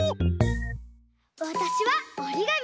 わたしはおりがみ！